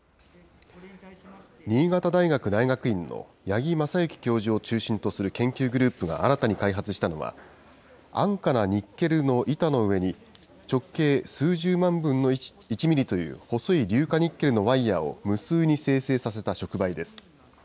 新潟大学大学院の八木政行教授を中心とする研究グループが新たに開発したのは、安価なニッケルの板の上に、直径数十万分の１ミリという、細い硫化ニッケルのワイヤーを無数に生成させた触媒です。